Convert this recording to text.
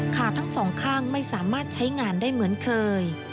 ขาทั้งสองข้างไม่สามารถใช้งานได้เหมือนเคย